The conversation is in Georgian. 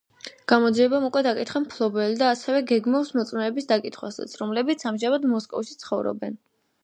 გამოძიებამ უკვე დაკითხა მფლობელი და ასევე გეგმავს მოწმეების დაკითხვასაც, რომლებიც ამჟამად მოსკოვში ცხოვრობენ.